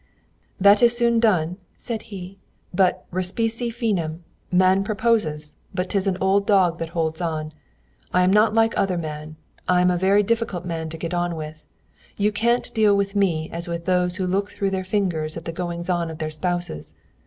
"'That is soon done,' said he; 'but respice finem! Man proposes, but 'tis an old dog that holds on. I am not like other men. I am a very difficult man to get on with. You can't deal with me as with those who look through their fingers at the goings on of their spouses.